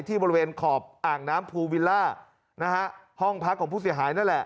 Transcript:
ที่บริเวณขอบอ่างน้ำภูวิลลาร์ห้องพักของผู้เสียหาย